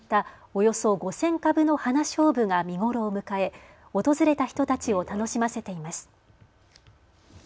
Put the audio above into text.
およそ５０００株のハナショウブが見頃を迎え訪れた人たちを楽しませています。